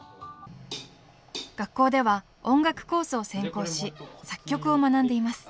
学校では音楽コースを専攻し作曲を学んでいます。